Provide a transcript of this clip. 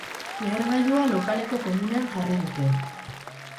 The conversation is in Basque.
Lehergailua lokaleko komunean jarri dute.